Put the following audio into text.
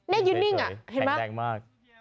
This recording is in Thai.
แข็งแรงมาก